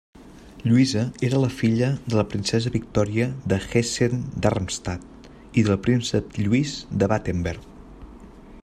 Lluïsa era filla de la princesa Victòria de Hessen-Darmstadt i del príncep Lluís de Battenberg.